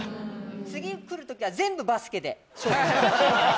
次来る時は全部バスケで勝負したい。